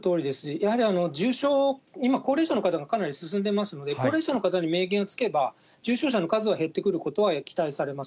やはり重症、今、高齢者の方がかなり進んでますので、高齢者の方に免疫がつけば、重症者の数が減ってくることは期待されます。